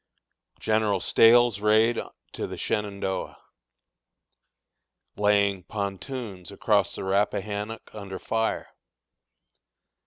General Stahel's Raid to the Shenandoah. Laying Pontoons across the Rappahannock under Fire.